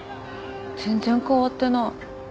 全然変わってない。